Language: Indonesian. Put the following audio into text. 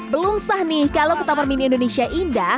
belum sah nih kalau ke taman mini indonesia indah